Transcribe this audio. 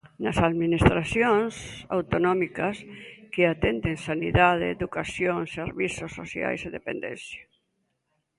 Nas Administracións autonómicas, que atenden sanidade, educación, servizos sociais e dependencia.